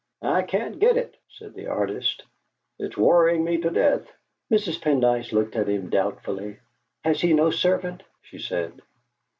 "I can't get it," said the artist. "It's worrying me to death." Mrs. Pendyce looked at him doubtfully. "Has he no servant?" she said.